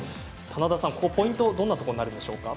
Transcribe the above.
ポイントはどんなところになるんでしょうか。